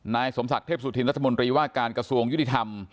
นายสมศักดิ์เทพสุธินรัฐมนตรีว่าการกระทรวงยุติธรรม